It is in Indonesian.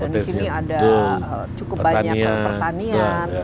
dan di sini ada cukup banyak pertanian